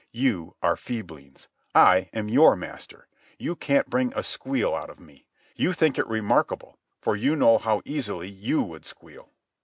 You are feeblings. I am your master. You can't bring a squeal out of me. You think it remarkable, for you know how easily you would squeal."